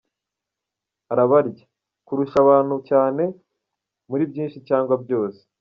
Arabarya !”: Kurusha abantu cyane muri byinshi cyangwa byose.